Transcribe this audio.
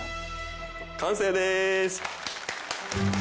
完成です。